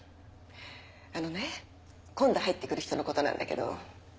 あのね今度入ってくる人のことなんだけど。